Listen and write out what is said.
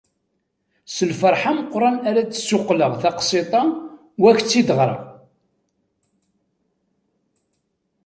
S lferḥ ameqqran ara d-ssuqleɣ taqsiṭ-a u ad k-tt-id-ɣreɣ.